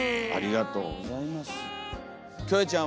ありがとうございます。